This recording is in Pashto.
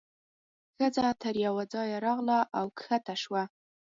ښځه تر یوه ځایه راغله او کښته شوه.